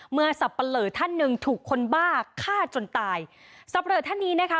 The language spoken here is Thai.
สับปะเหลอท่านหนึ่งถูกคนบ้าฆ่าจนตายสับเลอท่านนี้นะคะ